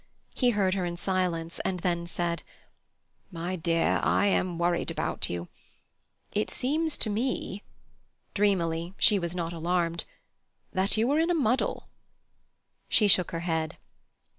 He heard her in silence, and then said: "My dear, I am worried about you. It seems to me"—dreamily; she was not alarmed—"that you are in a muddle." She shook her head.